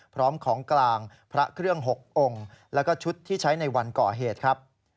พร้อมของกลางพระเครื่อง๖องค์แล้วก็ชุดที่ใช้ในวันก่อเหตุครับ